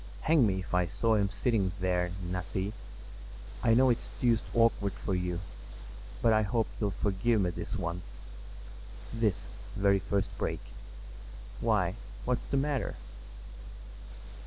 "Hang me if I saw him sitting there, Nattie! I know it's deuced awkward for you. But I hope you'll forgive me this once—this very first break. Why, what's the matter?"